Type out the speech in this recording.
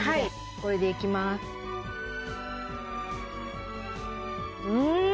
これでいきますうん！